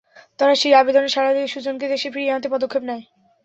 তারা সেই আবেদনে সাড়া দিয়ে সুজনকে দেশে ফিরিয়ে আনতে পদক্ষেপ নেয়।